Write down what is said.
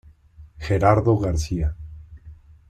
Gerardo García.